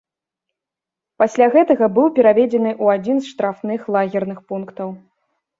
Пасля гэтага быў пераведзены ў адзін з штрафных лагерных пунктаў.